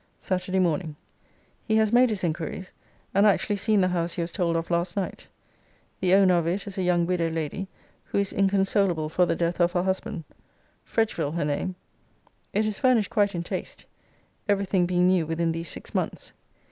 SATURDAY MORNING. He has made his inquiries, and actually seen the house he was told of last night. The owner of it is a young widow lady, who is inconsolable for the death of her husband; Fretchville her name. It is furnished quite in taste, every thing being new within these six months.